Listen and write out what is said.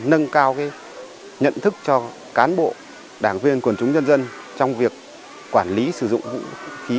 nâng cao nhận thức cho cán bộ đảng viên quần chúng nhân dân trong việc quản lý sử dụng vũ khí